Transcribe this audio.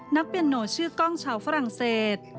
เปียโนชื่อกล้องชาวฝรั่งเศส